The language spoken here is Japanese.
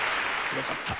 よかった。